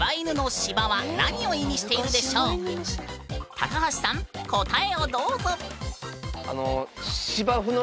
高橋さん答えをどうぞ！